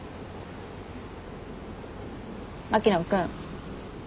牧野君。